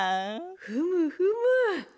ふむふむ。